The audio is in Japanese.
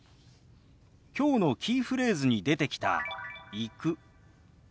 きょうのキーフレーズに出てきた「行く」。